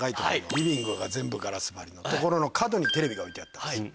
リビングが全部ガラス張りのところの角にテレビが置いてあったんです。